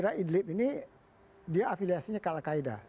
jadi dia afiliasinya ke al qaeda